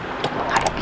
untuk menghadapi dia